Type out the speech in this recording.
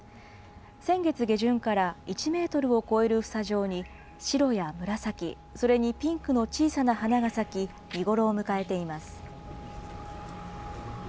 先月下旬から、１メートルを超える房状に、白や紫、それにピンクの小さな花が咲き、見頃を迎えています。